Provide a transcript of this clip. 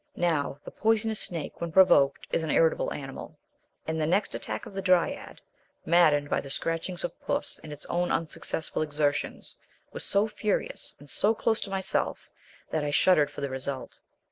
Now, the poisonous snake when provoked is an irritable animal, and the next attack of the Dryad, maddened by the scratchings of puss and its own unsuccessful exertions, was so furious, and so close to myself, that I shuddered for the result.